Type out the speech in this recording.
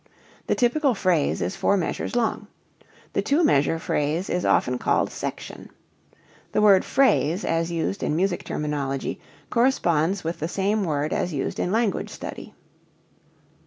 The typical phrase is four measures long. The two measure phrase is often called section. The word phrase as used in music terminology corresponds with the same word as used in language study.